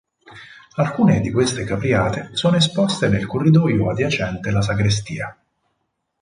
Alcune di queste capriate sono esposte nel corridoio adiacente la sacrestia.